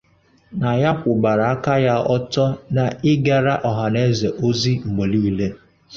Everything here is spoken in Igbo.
na ya kwụbara aka ya ọtọ n’ịgara ọhaneze ozi mgbeniile.